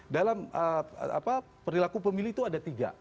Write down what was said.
dalam perilaku pemilih itu ada tiga